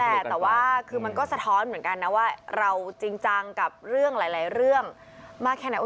แต่ว่าคือมันก็สะท้อนเหมือนกันนะว่าเราจริงจังกับเรื่องหลายเรื่องมากแค่ไหน